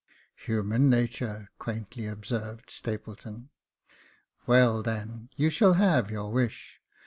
" Human natur^'' quaintly observed Stapleton. "Well, then, you shall have your wish.